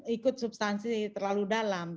ikut substansi terlalu dalam